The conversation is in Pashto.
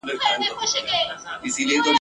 منتظر د خپل رویبار یو ګوندي راسي !.